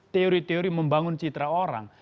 teori teori membangun citra orang